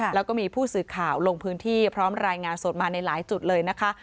แล้วก็มีผู้สื่อข่าวลงพื้นที่พร้อมรายงานสดมาในหลายจุดเลยนะคะ